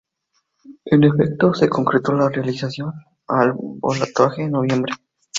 En efecto, se concretó la realización del balotaje en noviembre.